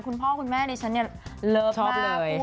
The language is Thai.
คุณพ่อคุณแม่ดิฉันเนี่ยเลิฟมากเลย